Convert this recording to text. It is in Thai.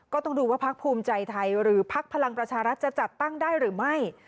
ก็ต้องดูว่าพักภูมิใจไทยหรือพักพลังประชารัฐจะจัดตั้งได้หรือไม่